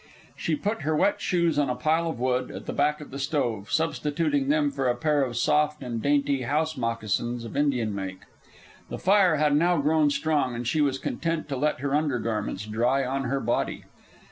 She put her wet shoes on a pile of wood at the back of the stove, substituting for them a pair of soft and dainty house moccasins of Indian make. The fire had now grown strong, and she was content to let her under garments dry on her body.